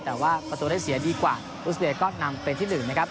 แต่ว่าประตูได้เสียดีกว่าอุสเดย์ก็นำเป็นที่๑นะครับ